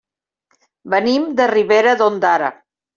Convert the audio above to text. Venim de Ribera d'Ondara.